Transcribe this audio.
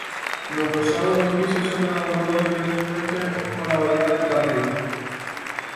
Los rosados o grises son elaborados mayoritariamente con la variedad gamay.